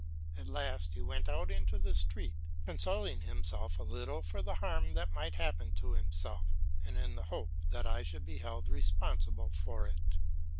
At last he went out into the street, consoling himself a little for the harm that might happen to himself, in the hope that I should be held responsible for it.